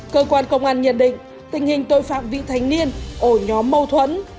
cơ quan công an nhận định tình hình tội phạm vị thành niên ở nhóm mâu thuẫn